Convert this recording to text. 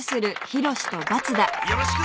よろしく！